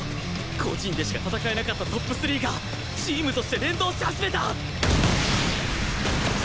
個人でしか戦えなかった ＴＯＰ３ がチームとして連動し始めた！